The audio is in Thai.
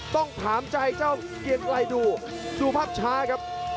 ต้องถามใจเจ้าเกียงไกลดูดูภาพช้าครับ